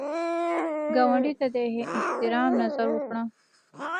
ګاونډي ته د احترام نظر وکړه